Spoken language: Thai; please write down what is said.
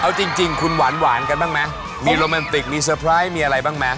เอาจริงคุณหวานกันบ้างมั้ยมีโรแมนติกมีเซอร์ไพรส์มีอะไรบ้างมั้ย